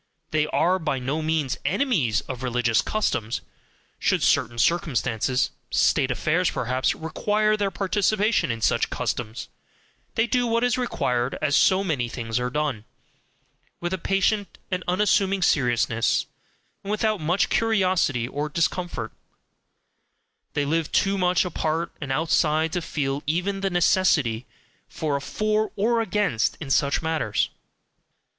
They are by no means enemies of religious customs; should certain circumstances, State affairs perhaps, require their participation in such customs, they do what is required, as so many things are done with a patient and unassuming seriousness, and without much curiosity or discomfort; they live too much apart and outside to feel even the necessity for a FOR or AGAINST in such matters.